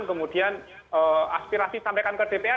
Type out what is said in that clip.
kemudian aspirasi sampaikan ke dpr